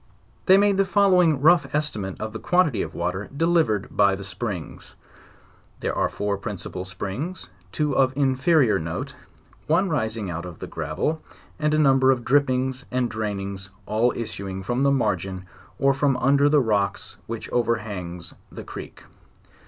They made the following rough estimate of the quantity of water delivered by the. springs. There are four principal springs, two of inferior note; one rising out of the gravel, and a number of drippings and drainings, all issuing from the margin, or from under the rock which overhangs the creek.